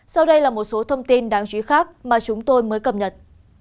sau đây là một số thông tin đáng chú ý khác mà chúng tôi mới cập nhật